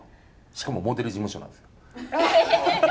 しかもモデル事務所なんですよ。